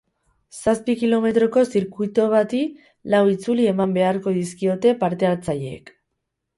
Zazpi kilometroko zirkuitu bati lau itzuli eman beharko dizkiote partehartzaileek.